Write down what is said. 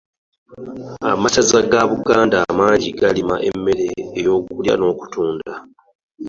Amasaza ga Buganda mangi galima emmere ey'okulya n'okutunda.